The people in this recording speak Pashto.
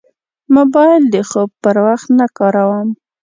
موبایل د خوب پر وخت نه کاروم.